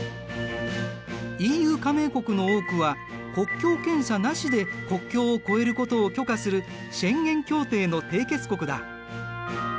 ＥＵ加盟国の多くは国境検査なしで国境を越えることを許可するシェンゲン協定の締結国だ。